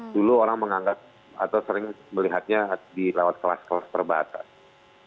dulu orang menganggap atau sering melihatnya di lewat kelas kelas terbatas